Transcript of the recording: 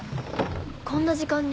こんな時間に？